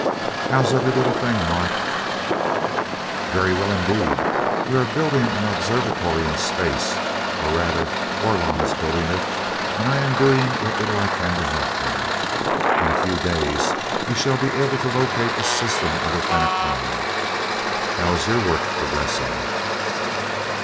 "How's every little thing, Mart?" "Very well indeed. We are building an observatory in space or rather, Orlon is building it and I am doing what little I can to help him. In a few days we shall be able to locate the system of the Fenachrone. How is your work progressing?"